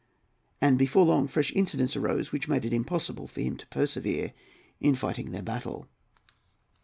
And before long fresh incidents arose which made it impossible for him to persevere in fighting their battle.